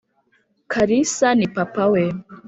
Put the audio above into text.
kalisa ni papa wawe